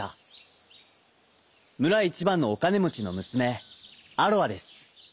むらいちばんのおかねもちのむすめアロアです。